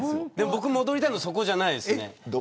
僕、戻りたいのそこじゃないですね。